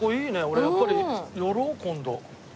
俺やっぱり寄ろう今度。